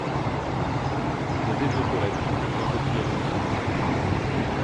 Je vais aux toilettes, quelqu'un veut y aller aussi?